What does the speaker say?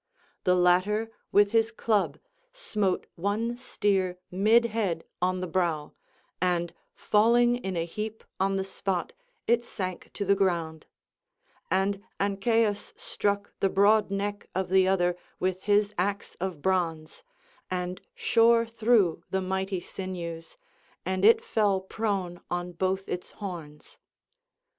The latter with his club smote one steer mid head on the brow, and falling in a heap on the spot, it sank to the ground; and Ancaeus struck the broad neck of the other with his axe of bronze, and shore through the mighty sinews; and it fell prone on both its horns.